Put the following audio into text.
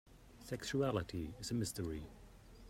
Sexuality is a mystery.